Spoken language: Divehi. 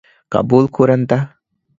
ގަބޫލުކުރަންތަ؟